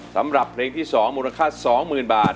สำหรับเพลงที่๒มูลค่า๒๐๐๐บาท